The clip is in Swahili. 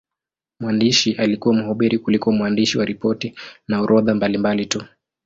Mwandishi alikuwa mhubiri kuliko mwandishi wa ripoti na orodha mbalimbali tu.